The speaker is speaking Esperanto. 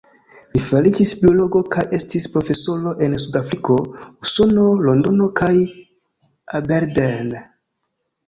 Li fariĝis biologo kaj estis profesoro en Sudafriko, Usono, Londono kaj Aberdeen.